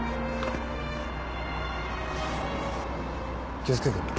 気を付けてね。